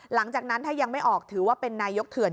หลังจากนั้นถ้ายังไม่ออกถือว่าเป็นนายกเถื่อน